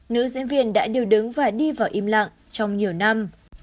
nữ diễn viên đã điều đứng và đi vào im lặng trong nhiều năm